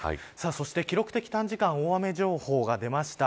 そして記録的短時間大雨情報が出ました。